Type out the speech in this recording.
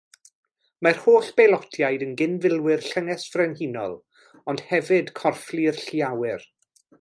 Mae'r holl beilotiaid yn gyn-filwyr Llynges Frenhinol ond hefyd Corfflu'r Llu Awyr.